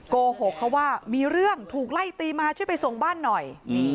โกหกเขาว่ามีเรื่องถูกไล่ตีมาช่วยไปส่งบ้านหน่อย